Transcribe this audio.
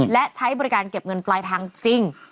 และใช้บริการเก็บเงินปลายทางจริง